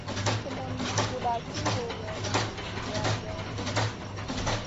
Sumun fuda ci luluna wa geyn lumu.